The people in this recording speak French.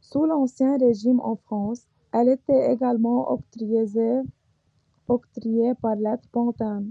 Sous l'Ancien Régime en France, elles étaient également octroyées par lettre patente.